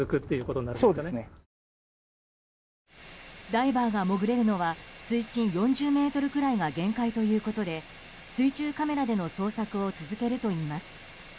ダイバーが潜れるのは水深４０ｍくらいが限界ということで水中カメラでの捜索を続けるといいます。